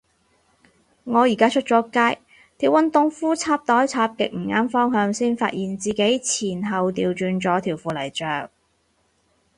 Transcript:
我而家出咗街，條運動褲插袋插極唔啱方向，先發現自己前後掉轉咗條褲嚟着